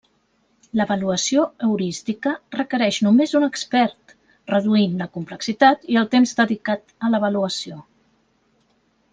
L'avaluació heurística requereix només un expert, reduint la complexitat i el temps dedicat a l'avaluació.